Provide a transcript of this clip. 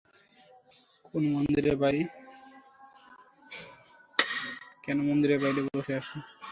নাহয় কোনো মন্দিরের বাইরে বসে যান।